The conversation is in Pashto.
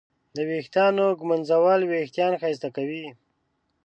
د ویښتانو ږمنځول وېښتان ښایسته کوي.